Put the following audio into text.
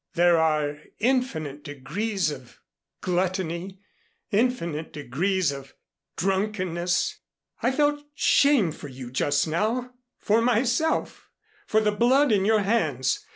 "There are infinite degrees of gluttony infinite degrees of drunkenness. I felt shame for you just now for myself for the blood on your hands.